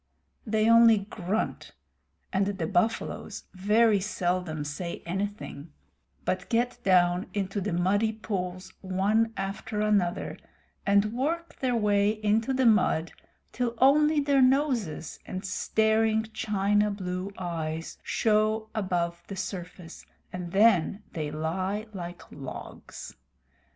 They only grunt, and the buffaloes very seldom say anything, but get down into the muddy pools one after another, and work their way into the mud till only their noses and staring china blue eyes show above the surface, and then they lie like logs.